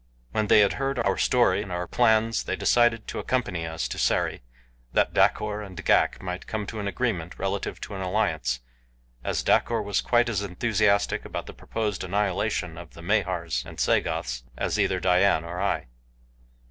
When they had heard our story and our plans they decided to accompany us to Sari, that Dacor and Ghak might come to an agreement relative to an alliance, as Dacor was quite as enthusiastic about the proposed annihilation of the Mahars and Sagoths as either Dian or I.